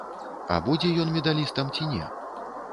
А будзе ён медалістам ці не?